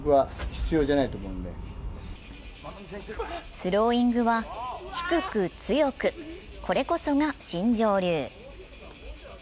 スローイングは低く強く、これこそが新庄流。